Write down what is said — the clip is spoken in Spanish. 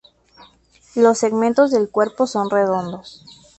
Los segmentos del cuerpo son redondos.